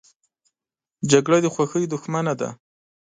جګړه د خوښۍ دښمنه ده